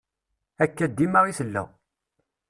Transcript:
Akka dima i tella.